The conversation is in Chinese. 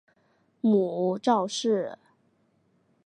母赵氏。